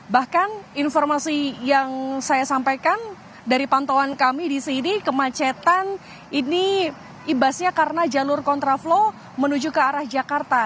bahkan informasi yang saya sampaikan dari pantauan kami di sini kemacetan ini ibasnya karena jalur kontraflow menuju ke arah jakarta